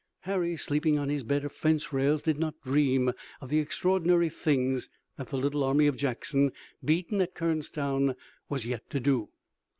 Harry sleeping on his bed of fence rails did not dream of the extraordinary things that the little army of Jackson, beaten at Kernstown was yet to do.